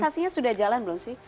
sanksinya sudah jalan belum sih